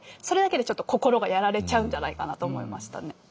それだけでちょっと心がやられちゃうんじゃないかなと思いましたね。